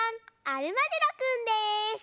アルマジロくんです！